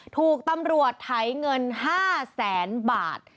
ถูกตำรวจไถเงิน๕แสนบาท